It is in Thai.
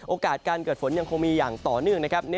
โอกาสการเกิดฝนยังคงมีอย่างต่อเนื่องนะครับ